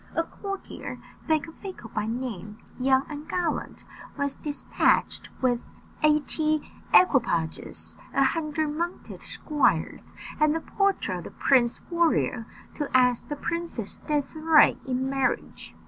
A courtier, Becafico by name, young and gallant, was despatched with eighty equipages, a hundred mounted squires, and the portrait of the Prince Warrior, to ask the Princess Désirée in marriage.